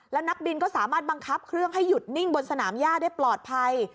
แล้วนักบินก็สามารถบังคับเครื่องให้หยุดนิ่งบนสนามย่าได้ปลอดภัย